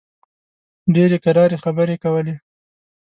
ډېرې کراري خبرې کولې.